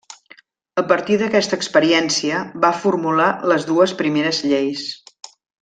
A partir d'aquesta experiència, va formular les dues primeres lleis.